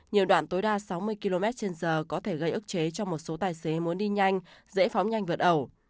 nhiều đoạn tối đa sáu mươi km trên giờ có thể gây ức chế cho một số tài xế muốn đi nhanh dễ phóng nhanh vượt ẩu